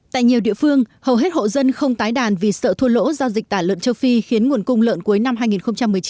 tại nhiều địa phương hầu hết hộ dân không tái đàn vì sợ thua lỗ do dịch tả lợn châu phi khiến nguồn cung lợn cuối năm hai nghìn một mươi chín